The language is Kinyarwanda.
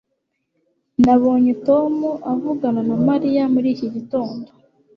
nabonye tom avugana na mariya muri iki gitondo